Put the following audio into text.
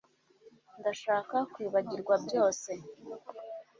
Ndashaka kwibagirwa byose